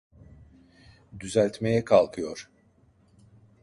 Düzeltmeye kalkıyor!